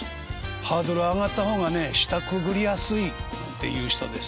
ハードル上がった方がね下くぐりやすいっていう人です。